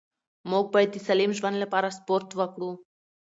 موږ باید د سالم ژوند لپاره سپورت وکړو